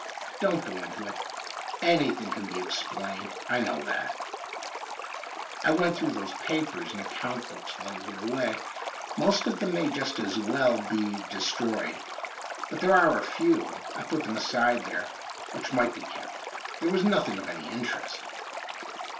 Don't go into it. Any thing can be explained — I know that' ' I went through those papers 157 THE UNDYING THING and account books while you were away. Most of them may just as Avell be destroyed ; but there are a few — I put them aside there — which might be kept. There was nothing of any interest.'